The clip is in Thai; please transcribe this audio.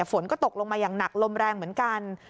ฝนก็ตกลงมาอย่างหนักลมแรงเหมือนกัน